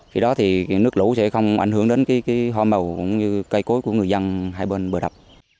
khi đó thì nước lũ sẽ không ảnh hưởng đến hoa màu cũng như cây cối của người dân hai bên bờ đập